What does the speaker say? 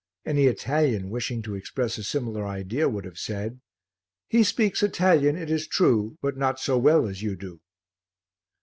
Any Italian, wishing to express a similar idea, would have said "He speaks Italian, it is true, but not so well as you do."